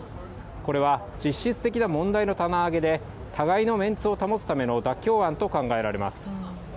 これは実質的な問題の棚上げで互いのメンツを保つための妥協案と考えられます。